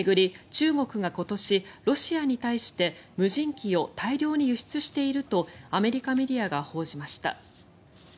中国が今年、ロシアに対して無人機を大量に輸出しているとアメリカメディアが報じました。